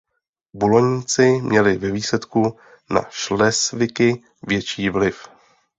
Buloňci měli ve výsledku na šlesviky větší vliv.